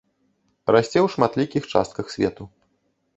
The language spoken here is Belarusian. Расце ў шматлікіх частках свету.